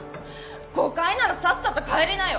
誤解ならさっさと帰りなよ。